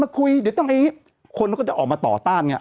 มาคุยเดี๋ยวต้องไอ้คนแล้วก็จะออกมาต่อต้านเนี้ย